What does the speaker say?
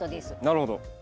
なるほど。